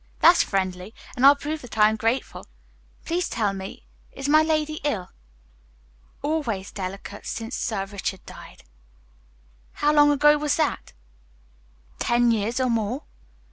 That's friendly, and I'll prove that I am grateful. Please tell me, is my lady ill?" "Always delicate since Sir Richard died." "How long ago was that?" "Ten years or more."